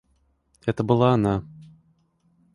Это была она.